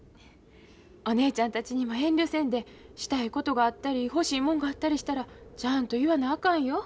お姉ちゃんたちにも遠慮せんでしたいことがあったり欲しいもんがあったりしたらちゃんと言わなあかんよ。